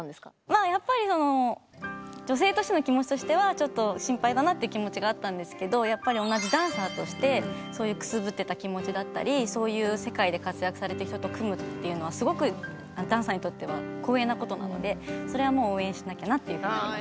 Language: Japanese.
まあやっぱりその女性としての気持ちとしてはちょっと心配だなって気持ちがあったんですけどやっぱり同じダンサーとしてそういうくすぶってた気持ちだったりそういう世界で活躍されてきた人と組むっていうのはすごくダンサーにとっては光栄なことなのでそれはもう応援しなきゃなっていうふうになりました。